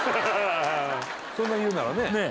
そんな言うならねねえ？